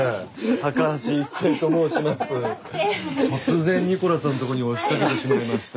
突然ニコラさんのとこに押しかけてしまいまして。